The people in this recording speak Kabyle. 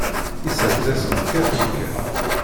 Iserdasen kkaten kan.